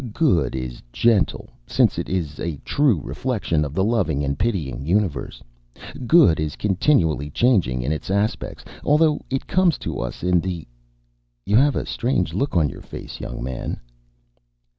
Good is gentle, since it is a true reflection of the loving and pitying universe. Good is continually changing in its aspects, although it comes to us in the ... You have a strange look on your face, young man."